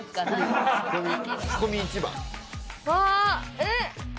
えっ？